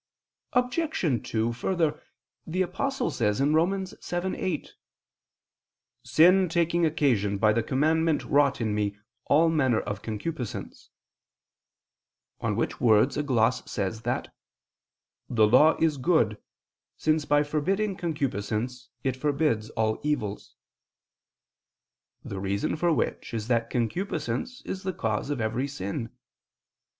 Obj. 2: Further, the Apostle says (Rom. 7:8): "Sin taking occasion by the commandment wrought in me all manner of concupiscence"; on which words a gloss says that "the law is good, since by forbidding concupiscence, it forbids all evils," the reason for which is that concupiscence is the cause of every sin.